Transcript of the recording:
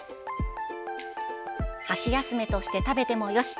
箸休めとして食べてもよし。